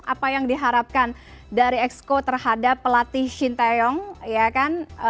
apa yang diharapkan dari exco terhadap pelatih shin taeyong ya kan